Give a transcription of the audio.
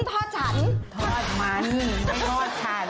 ทอดมันไม่ทอดฉัน